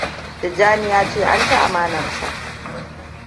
Tijjani ya ce an ci amanar sa.